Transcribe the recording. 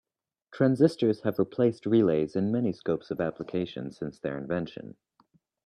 Transistors have replaced relays in many scopes of application since their invention.